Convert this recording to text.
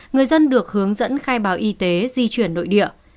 người dân được hướng dẫn khai báo y tế di chuyển nội địa